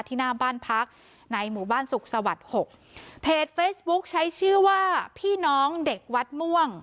หน้าบ้านพักในหมู่บ้านสุขสวัสดิ์หกเพจเฟซบุ๊คใช้ชื่อว่าพี่น้องเด็กวัดม่วง